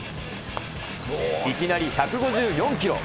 いきなり１５４キロ。